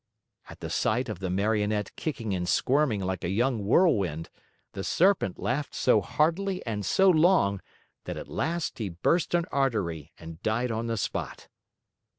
At the sight of the Marionette kicking and squirming like a young whirlwind, the Serpent laughed so heartily and so long that at last he burst an artery and died on the spot.